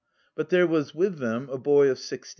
But there was with them a boy of sixteen.